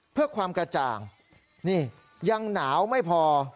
เพื่อความกระจ่างนี่ยังหนาวไม่พอ